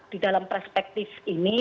di dalam perspektif ini